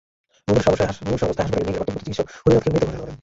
মুমূর্ষু অবস্থায় হাসপাতালে নিয়ে গেলে কর্তবরত চিকিৎসক হরিনাথকে মৃত ঘোষণা করেন।